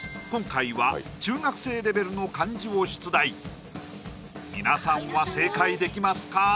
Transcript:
今回は中学生レベルの漢字を出題皆さんは正解できますか？